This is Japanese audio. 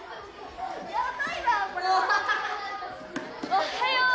おはよう！